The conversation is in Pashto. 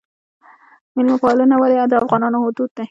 میلمه پالنه ولې د افغانانو دود دی؟